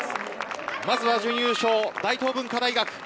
まずは準優勝、大東文化大学。